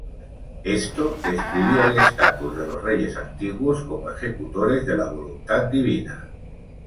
Esto describía el estatus de los reyes antiguos como ejecutores de la voluntad divina.